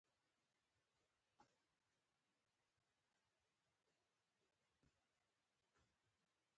کله چې ما دا کتاب وليده